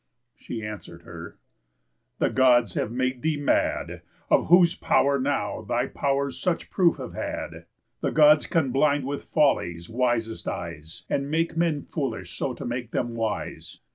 She answer'd her: "The Gods have made thee mad, Of whose pow'r now thy pow'rs such proof have had. The Gods can blind with follies wisest eyes, And make men foolish so to make them wise.